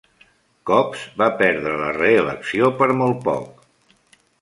Copps va perdre la reelecció per molt poc.